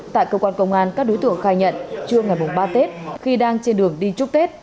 tại cơ quan công an các đối tượng khai nhận trưa ngày ba tết khi đang trên đường đi chúc tết